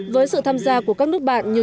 với sự tham gia của các nước bạn như